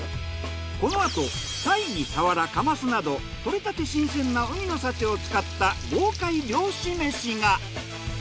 このあとタイにサワラカマスなど獲れたて新鮮な海の幸を使った豪快漁師めしが！